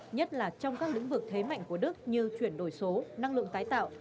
nhất là trong các lĩnh vực thế mạnh của đức như chuyển đổi số năng lượng tái tạo